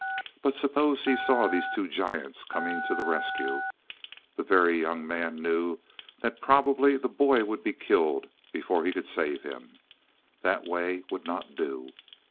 But suppose he saw these two giants coming to the rescue? The Very Young Man knew that probably the boy would be killed before he could save him. That way would not do.